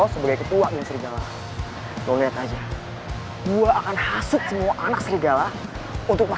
gue gak mau kejadian ini terulang lagi